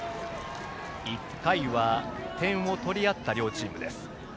１回は点を取り合った両チーム。